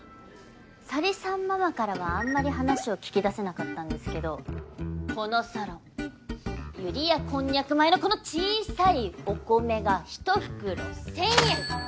咲里さんママからはあんまり話を聞き出せなかったんですけどこのサロンユリヤこんにゃく米のこの小さいお米が一袋１，０００円。